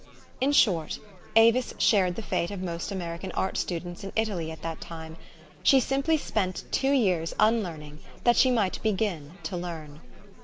In short, Avis shared the fate of most American art students in Italy at that time. She simply spent two years unlearning, that she might begin to learn.